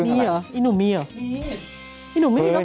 มีหรออีหนูมีเหรอ